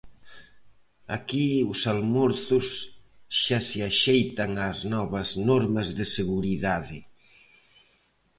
Aquí os almorzos xa se axeitan ás novas normas de seguridade.